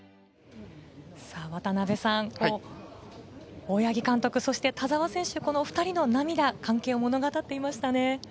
大八木監督、そして田澤選手、この２人の涙が関係を物語っていましたね。